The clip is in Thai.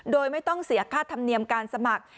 โดยไม่ต้องเสียค่าธรรมเนียมการสมัคร